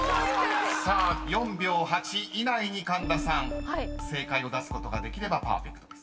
［さあ４秒８以内に神田さん正解を出すことができればパーフェクトです］